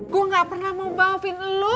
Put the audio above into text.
gue gak pernah mau maufin lo